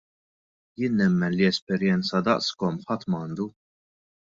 Jiena nemmen li esperjenza daqskom ħadd m'għandu.